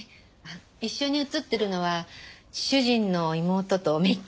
一緒に写っているのは主人の妹と姪っ子です。